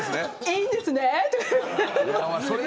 いいんですねって。